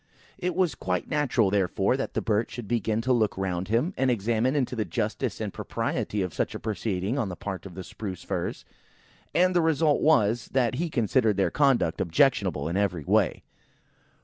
It was quite natural, therefore, that the poor Birch should begin to look round him, and examine into the justice and propriety of such a proceeding on the part of the Spruce firs; and the result was, that he considered their conduct objectionable in every way.